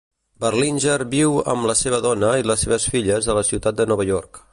Berlinger viu amb la seva dona i les seves filles a la ciutat de Nova York.